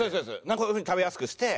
こういう風に食べやすくして。